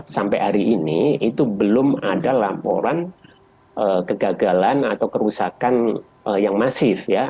sampai hari ini itu belum ada laporan kegagalan atau kerusakan yang masif ya